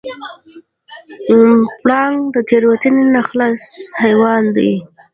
پړانګ د تېروتنې نه خلاص حیوان دی.